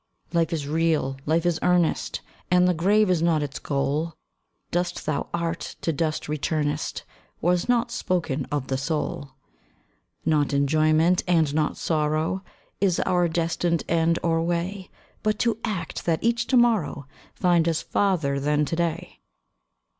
Life is real! Life is earnest! And the grave is not its goal; Dust thou art, to dust returnest, Was not spoken of the soul. Not enjoyment, and not sorrow, Is our destined end or way; But to act, that each to morrow Find us farther than to day.